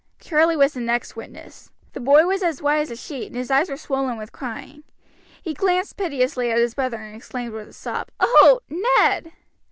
Charlie was the next witness. The boy was as white as a sheet, and his eyes were swollen with crying. He glanced piteously at his brother, and exclaimed with a sob, "Oh! Ned."